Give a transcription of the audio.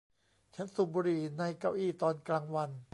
ฉันสูบบุหรี่ในเก้าอี้ตอนกลางวัน